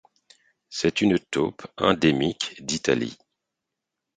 C'est une taupe endémique d'Italie.